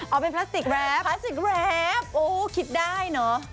เอาเป็นพลาสติกแรปพลาสติกแรปโอ้คิดได้เนอะ